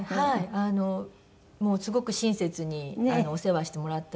あのもうすごく親切にお世話してもらったようで。